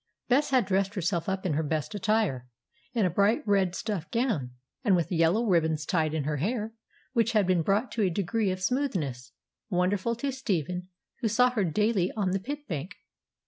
Bess had dressed herself up in her best attire, in a bright red stuff gown, and with yellow ribbons tied in her hair, which had been brought to a degree of smoothness wonderful to Stephen, who saw her daily on the pit bank.